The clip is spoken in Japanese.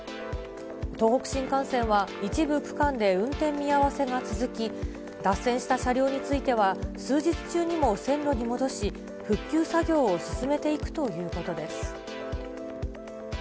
東北新幹線は、一部区間で運転見合わせが続き、脱線した車両については、数日中にも線路に戻し、復旧作業を進めていくということです。